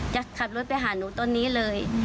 จะขับรถไปหาหนูตอนนี้เลย